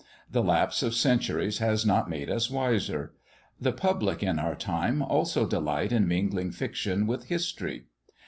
The lapse of centuries has not made us wiser. The public in our time also delight in mingling fiction with history.